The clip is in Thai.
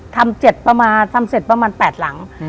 ทำเสร็จประมาณ๘หลัง